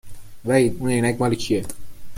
وحید اون عینک مال کیه؟